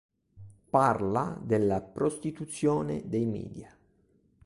Parla della prostituzione dei media.